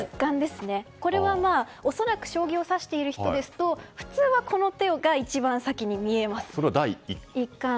これは恐らく将棋を指している人ですと普通はこの手が一番先に見えます。